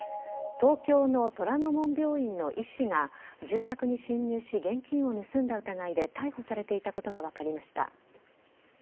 東京の虎の門病院の医師が住宅に侵入し、現金を盗んだ疑いで逮捕されていたことが分かりました。